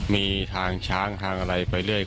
มีทางช้างทางอะไรไปเรื่อย